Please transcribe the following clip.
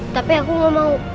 tapi aku gak mau